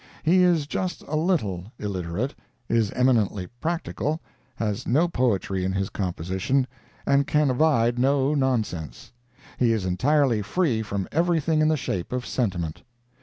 He is just a little illiterate, is eminently practical, has no poetry in his composition, and can abide no nonsense. He is entirely free from everything in the shape of sentiment.